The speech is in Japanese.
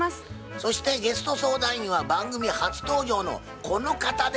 そしてゲスト相談員は番組初登場のこの方です。